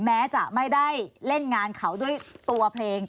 แม้จะไม่ได้เล่นงานเขาด้วยตัวเพลง